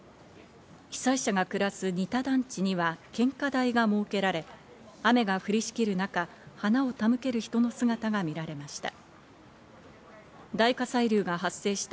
被災者が暮らす仁田団地には献花台が設けられ、雨が降りしきる中、花を手向ける人の姿が見られました。